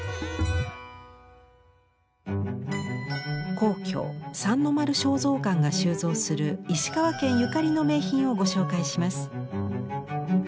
皇居三の丸尚蔵館が収蔵する石川県ゆかりの名品をご紹介します。